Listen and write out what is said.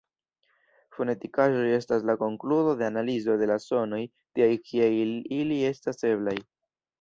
Fonetikaĵoj estas la konkludo de analizo de la sonoj tiaj kiaj ili estas eblaj.